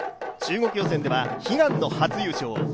中国予選では悲願の初優勝。